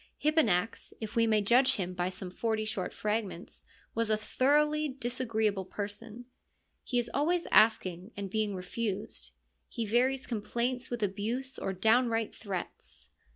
Hipponax, if we may judge him by some forty short fragments, was a thoroughly disagreeable person ; he is always asking and being refused ; he varies complaints with abuse or downright threats.